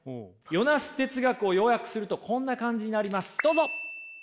ヨナス哲学を要約するとこんな感じになりますどうぞ。